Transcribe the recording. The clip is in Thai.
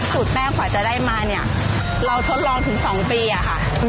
แป้งกว่าจะได้มาเนี่ยเราทดลองถึง๒ปีอะค่ะ